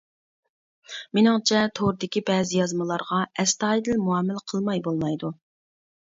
مېنىڭچە توردىكى بەزى يازمىلارغا ئەستايىدىل مۇئامىلە قىلماي بولمايدۇ.